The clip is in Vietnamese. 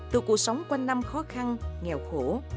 từ cuộc sống quanh năm khó khăn nghèo khổ